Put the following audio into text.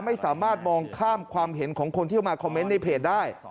ไม่สามารถมองข้ามความเห็นของคนที่เข้ามาคอมเมนต์ในเพจได้